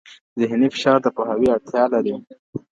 ذهني فشار د پوهاوي اړتیا لري.